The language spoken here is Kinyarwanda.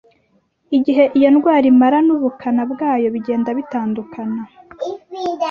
Igihe iyo ndwara imara n’ubukana bwayo bigenda bitandukana